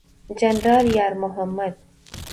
جنرال یار محمد